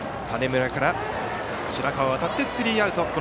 種村から白川へ渡ってスリーアウト。